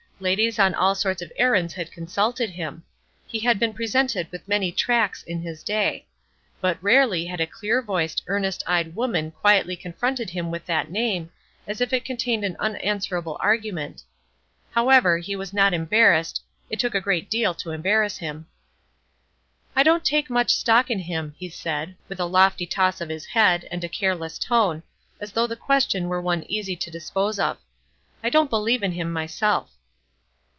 Ladies on all sorts of errands had consulted him. He had been presented with many tracts in his day; but rarely had a clear voiced, earnest eyed woman quietly confronted him with that name, as if it contained an unanswerable argument. However, he was not embarrassed; it took a great deal to embarrass him. "I don't take much stock in him," he said, with a lofty toss of his head, and a careless tone, as though the question were one easy to dispose of. "I don't believe in him myself."